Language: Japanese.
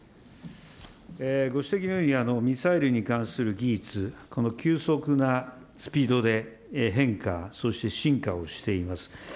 ご指摘のようにミサイルに関する技術、急速なスピードで変化、そして進化をしています。